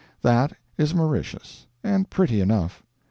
That is Mauritius; and pretty enough.